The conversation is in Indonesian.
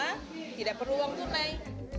tidak perlu uang tunai